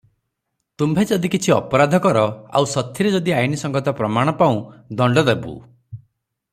ତୁମ୍ଭେ ଯଦି କିଛି ଅପରାଧକର ଆଉ ସଥିରେ ଯଦି ଆଇନସଙ୍ଗତ ପ୍ରମାଣ ପାଉଁ ଦଣ୍ତ ଦେବୁ ।'